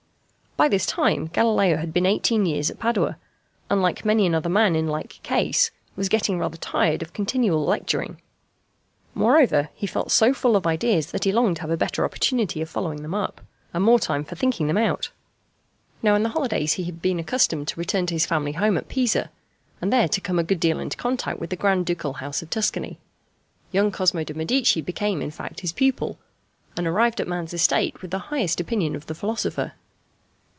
By this time Galileo had been eighteen years at Padua, and like many another man in like case, was getting rather tired of continual lecturing. Moreover, he felt so full of ideas that he longed to have a better opportunity of following them up, and more time for thinking them out. Now in the holidays he had been accustomed to return to his family home at Pisa, and there to come a good deal into contact with the Grand Ducal House of Tuscany. Young Cosmo di Medici became in fact his pupil, and arrived at man's estate with the highest opinion of the philosopher.